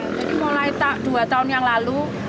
jadi mulai dua tahun yang lalu